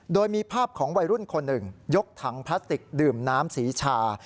โดยมีภาพของวัยรุ่นคนหนึ่งยกถังพลาสติกดื่มน้ำสีชา